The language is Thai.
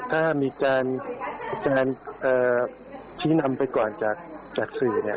ถ้ามีการจารย์เอ่อชี้นำไปก่อนจากจากสื่อเนี้ย